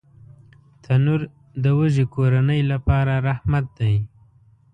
تنور د وږې کورنۍ لپاره رحمت دی